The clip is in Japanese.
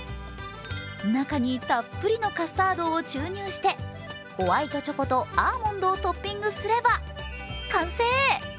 中にたっぷりのカスタードを注入してホワイトチョコとアーモンドとトッピングすれば完成。